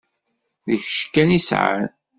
D kečč kan i sɛan.